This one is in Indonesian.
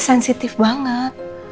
sedikit lagi kat